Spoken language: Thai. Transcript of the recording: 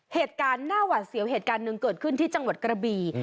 เหตุการณ์หน้าหวาดเสียวเหตุการณ์หนึ่งเกิดขึ้นที่จังหวัดกระบี